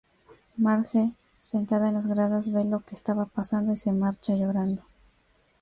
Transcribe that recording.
Marge, sentada en las gradas, ve lo que estaba pasando y se marcha llorando.